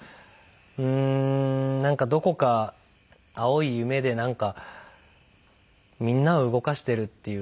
うーんなんかどこか青い夢でみんなを動かしてるっていう